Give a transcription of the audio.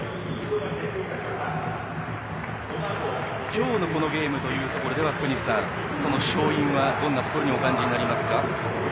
今日のこのゲームというところでは福西さんその勝因は、どんなところにお感じになりますか？